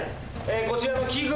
こちらの器具